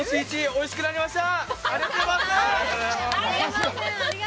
おいしくなりました！